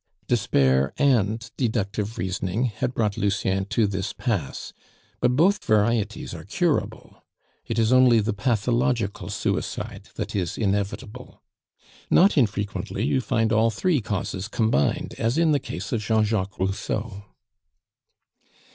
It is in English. Despair and deductive reasoning had brought Lucien to this pass, but both varieties are curable; it is only the pathological suicide that is inevitable. Not infrequently you find all three causes combined, as in the case of Jean Jacques Rousseau.